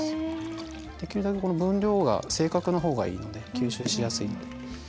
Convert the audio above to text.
できるだけ分量が正確な方がいいので吸収しやすいので。